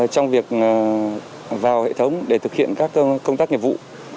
trong việc vào hệ thống để thực hiện các công tác nghiệp vụ